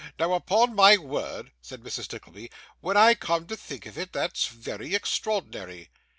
Now, upon my word,' said Mrs. Nickleby, 'when I come to think of it, that's very extraordinary!